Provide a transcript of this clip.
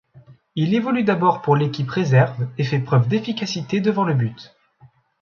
Il évolue d'abord pour l'équipe réserve et fait preuve d'efficacité devant le but.